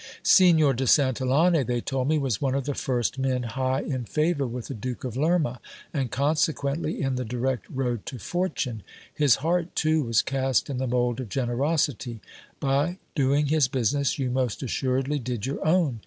Signor de Santillane, they told me, was one of the first men, high in favour with the Duke of Lerma, and consequently in the direct road to fortune : his heart, too, was cast in the mould of generosity : by doing his business, you most assuredly did your own.